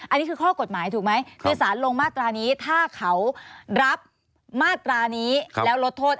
อันนี้คือข้อกฎหมายถูกไหมคือสารลงมาตรานี้ถ้าเขารับมาตรานี้แล้วลดโทษ